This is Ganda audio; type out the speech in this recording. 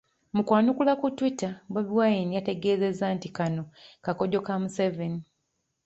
Mu kwanukula ku Twitter, Bobi Wine yategeezezza nti kano kakodyo ka Museveni